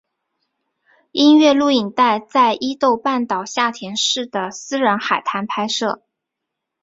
音乐录影带在伊豆半岛下田市的私人海滩拍摄。